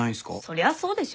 そりゃそうでしょ。